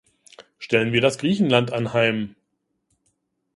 Stellen wir das Griechenland anheim.